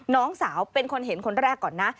น้องสาวเป็นคนเห็นคนแรกก่อนนะ